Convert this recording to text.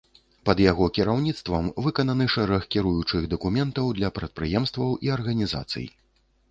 Пад яго кіраўніцтвам выкананы шэраг кіруючых дакументаў для прадпрыемстваў і арганізацый.